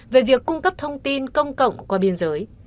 về việc cung cấp thông tin công cộng qua biên giới